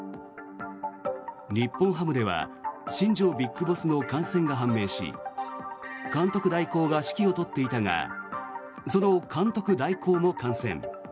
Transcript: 日本ハムでは新庄ＢＩＧＢＯＳＳの感染が判明し監督代行が指揮を執っていたがその監督代行も感染。